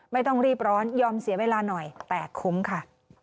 ไม่ต้องรีบร้อนยอมเสียเวลาหน่อยแต่คุ้มค่ะ